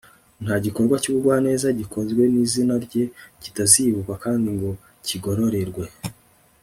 Nta gikorwa cyubugwaneza gikozwe mu izina rye kitazibukwa kandi ngo kigororerwe